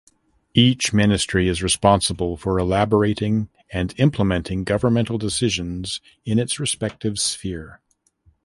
Each ministry is responsible for elaborating and implementing governmental decisions in its respective sphere.